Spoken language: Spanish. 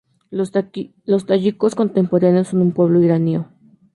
Los tayikos contemporáneos son un pueblo iranio.